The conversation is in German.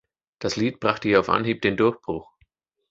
Das Lied brachte ihr auf Anhieb den Durchbruch.